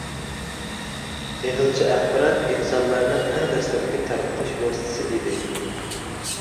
ئېغىزچە ئاخبارات ئىنسانلارنىڭ ئەڭ دەسلەپكى تارقىتىش ۋاسىتىسى ئىدى.